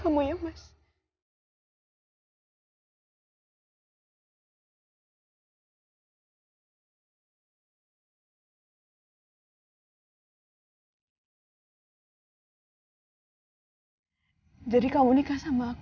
yang kerja cuma untuk mencari teman teman yang baik